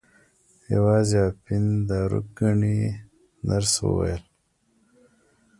یوازې اپین دارو ګڼي نرس وویل.